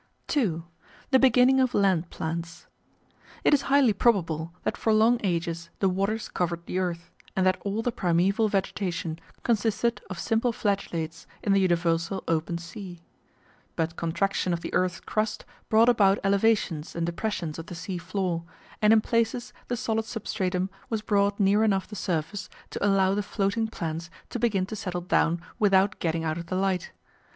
§ 2 The Beginnings of Land Plants It is highly probable that for long ages the waters covered the earth, and that all the primeval vegetation consisted of simple Flagellates in the universal Open Sea. But contraction of the earth's crust brought about elevations and depressions of the sea floor, and in places the solid substratum was brought near enough the surface to allow the floating plants to begin to settle down without getting out of the light.